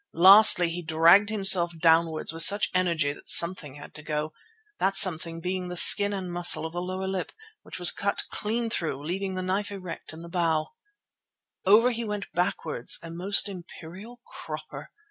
Lastly he dragged himself downwards with such energy that something had to go, that something being the skin and muscle of the lower lip, which was cut clean through, leaving the knife erect in the bough. Over he went backwards, a most imperial cropper.